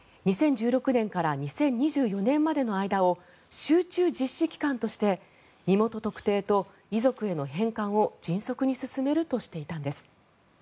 ２０１６年から２０２４年までの間を集中実施期間として身元特定と遺族への返還を迅速に進めるとしていたんです。